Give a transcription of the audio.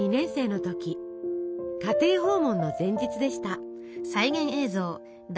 家庭訪問の前日でした。